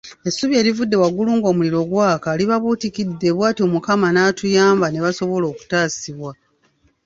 Essubi erivudde waggulu ng'omuliro gwaka libabuutikidde bwatyo Mukama naatuyamba nebasobola okutaasibwa.